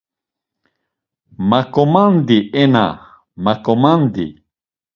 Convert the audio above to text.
Maǩomandi Ena, maǩomandi.